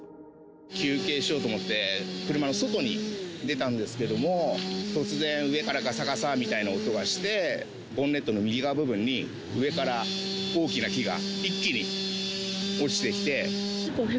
休憩しようと思って、車の外に出たんですけれども、突然上から、がさがさみたいな音がして、ボンネットの右側部分に、上から大きな木が一気に落ちてきて。